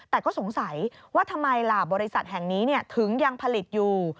แต่ก็สงสัยว่าทำไมล่ะบริษัทแห่งนี้ถึงยังผลิตอยู่